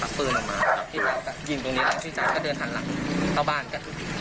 แล้วพี่จ้าต้องยิงตรงนี้แล้วพี่จ้าจะเดินทันหลักเข้าบ้านกัน